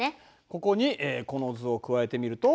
ここにこの図を加えてみると。